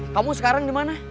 kamu sekarang dimana